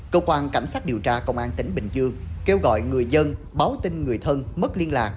cơ quan cảnh sát điều tra công an tỉnh bình dương kêu gọi người dân báo tin người thân mất liên lạc